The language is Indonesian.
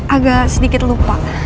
agak sedikit lupa